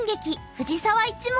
藤澤一門」。